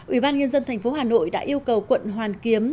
ủy ban nhân dân tp hà nội đã yêu cầu quận hoàn kiếm